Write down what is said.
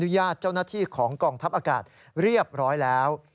ญาติเจ้าหน้าที่ของกองทัพอากาศเรียบร้อยแล้ว